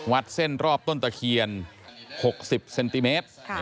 วัดเส้นรอบต้นตะเคียน๖๐เซนติเมตร